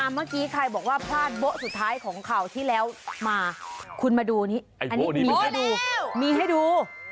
มากกี๊คัยบอกว่าพลาดเบอะสุดท้ายของข่าวที่แล้วขึ้นมาดูมีให้ดู